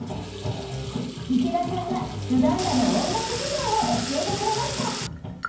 池田さんがウガンダの音楽事情を教えてくれました。